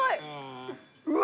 うわ